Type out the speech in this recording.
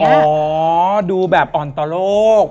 และยินดีต้อนรับทุกท่านเข้าสู่เดือนพฤษภาคมครับ